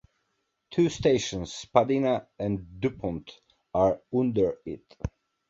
Two stations, Spadina and Dupont, are under it.